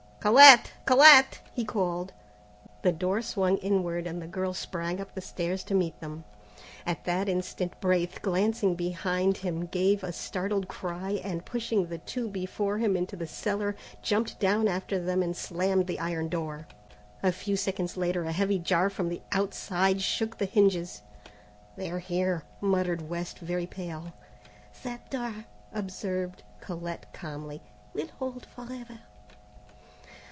"Colette! Colette!" he called. The door swung inward, and the girl sprang up the stairs to meet them. At that instant, Braith, glancing behind him, gave a startled cry, and pushing the two before him into the cellar, jumped down after them and slammed the iron door. A few seconds later a heavy jar from the outside shook the hinges. "They are here," muttered West, very pale. "That door," observed Colette calmly, "will hold for ever."